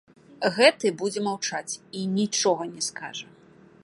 Гэты будзе маўчаць і нічога не скажа.